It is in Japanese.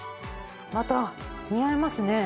また似合いますね。